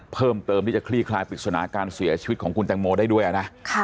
เพิ่มเติมที่จะคลี่คลายปริศนาการเสียชีวิตของคุณแตงโมได้ด้วยนะ